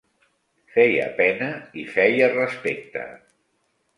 Feia pena i feia respecte